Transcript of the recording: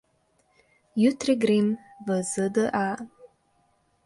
Jutri grem v ZDA.